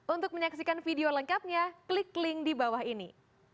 untuk menyaksikan video lengkapnya klik link di bawah ini